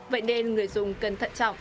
vậy nên người dùng cần thận trọng